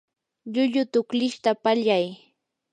llullu tuklishta pallay.